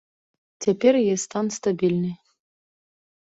Цяпер яе стан стабільны.